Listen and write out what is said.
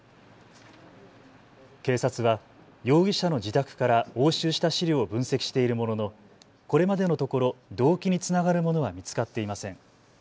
警察は容疑者の自宅から押収した資料を分析しているもののこれまでのところ動機につながるものは見つかっていません。